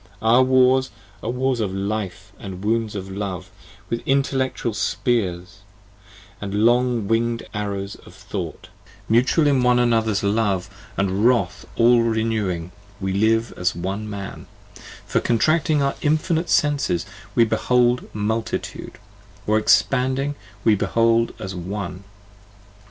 Our wars are wars of life, & wounds of love, 15 With intellectual spears, & long winged arrows of thought: Mutual in one another's love and wrath all renewing We live as One Man: for contracting our infinite senses We behold multitude: or expanding, we behold as one.